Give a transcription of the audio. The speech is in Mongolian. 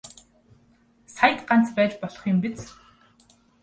Саяд ганц байж болох юм биз.